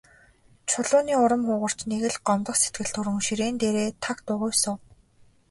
Чулууны урам хугарч, нэг л гомдох сэтгэл төрөн ширээн дээрээ таг дуугүй суув.